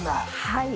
はい。